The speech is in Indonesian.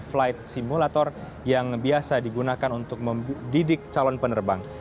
flight simulator yang biasa digunakan untuk mendidik calon penerbang